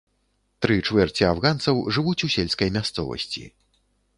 Тры чвэрці афганцаў жывуць у сельскай мясцовасці.